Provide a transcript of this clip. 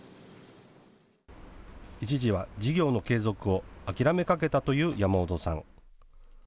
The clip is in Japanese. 一時は事業の継続を諦めかけたという山本さん。